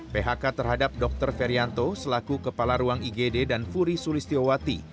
phk terhadap dokter ferianto selaku kepala ruang igd dan furi sulistiowati